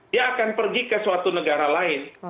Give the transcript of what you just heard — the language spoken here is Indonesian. dia akan pergi ke suatu negara lain